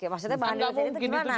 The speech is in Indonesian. maksudnya mbak andre nusyate itu gimana